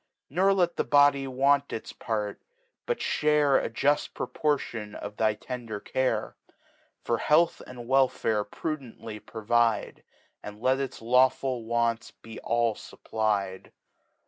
Nor let the Body want its Part, but fhare A jufl Proportion of thy tender Care: Ifor Health arid Welfare prudently provide. And let its lawful Wants be all fupply'd.